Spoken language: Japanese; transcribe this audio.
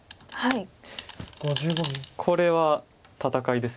これは戦いです。